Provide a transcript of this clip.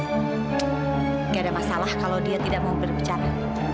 tidak ada masalah kalau dia tidak mau berbicara